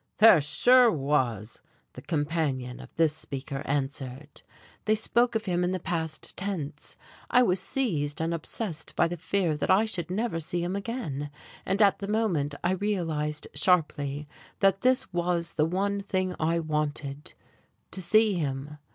"There sure was," the companion of this speaker answered. They spoke of him in the past tense. I was seized and obsessed by the fear that I should never see him again, and at the same moment I realized sharply that this was the one thing I wanted to see him.